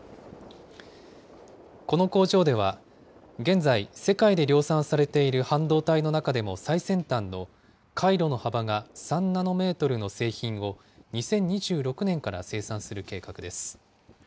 この工場では、現在、世界で量産されている半導体の中でも最先端の、回路の幅が３ナノメートルの製品を、２０２６年から生産する計画です。